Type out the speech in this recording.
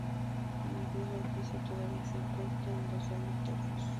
En el primer piso todavía se encuentran los dormitorios.